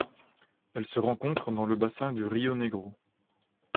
Elle se rencontre dans le bassin du rio Negro.